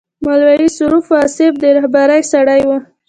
مولوي سرور واصف د رهبرۍ سړی و.